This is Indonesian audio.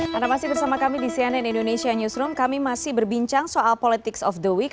karena masih bersama kami di cnn indonesia newsroom kami masih berbincang soal politics of the week